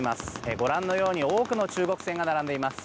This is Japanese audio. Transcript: ご覧のように多くの中国船が並んでいます。